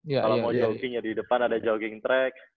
kalo mau jogging ya di depan ada jogging track